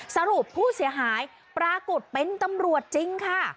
สรุปผู้เสียหายปรากฏเป็นตำรวจจริงค่ะ